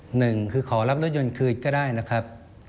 หนึ่งคือขอรับรถยนต์คืนก็ได้นะครับ